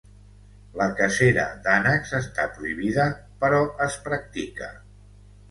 La cacera d'ànecs està prohibida però es practica.